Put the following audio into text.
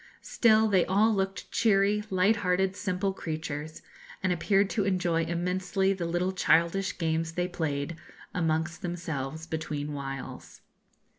Still they all looked cheery, light hearted, simple creatures, and appeared to enjoy immensely the little childish games they played amongst themselves between whiles.